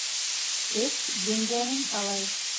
Эт еңгәнен талай.